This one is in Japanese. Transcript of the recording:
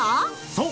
そう！